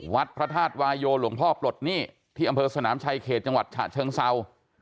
พระธาตุวายโยหลวงพ่อปลดหนี้ที่อำเภอสนามชายเขตจังหวัดฉะเชิงเศร้า